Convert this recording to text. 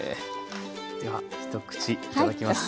では一口いただきます。